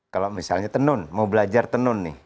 kalau misalnya tenun mau belajar tenun nih